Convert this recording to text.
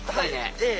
ええ。